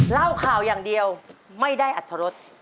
เล่าข่าวอย่างเดียวไม่ได้อัตรรส